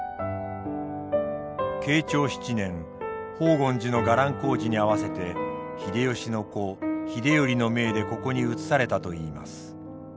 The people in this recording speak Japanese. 慶長７年宝厳寺の伽藍工事に合わせて秀吉の子秀頼の命でここに移されたといいます。